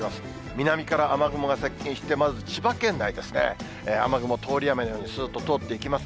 南から雨雲が接近して、まず、千葉県内ですね、雨雲、通り雨のようにすーっと通っていきます。